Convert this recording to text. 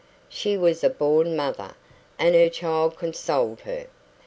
She was a born mother, and her child consoled her.